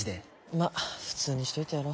まっ普通にしといてやろ。